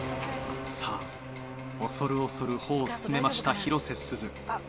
さぁ恐る恐る歩を進めました広瀬すず。